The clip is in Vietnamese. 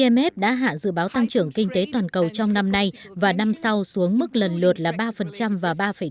imf đã hạ dự báo tăng trưởng kinh tế toàn cầu trong năm nay và năm sau xuống mức lần lượt là ba và ba tám